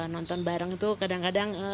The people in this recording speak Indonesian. nonton bareng itu kadang kadang